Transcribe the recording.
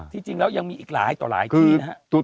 จริงแล้วยังมีอีกหลายต่อหลายที่นะครับ